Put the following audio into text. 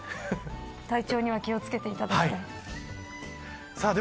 体調には気を付けていただきたいです。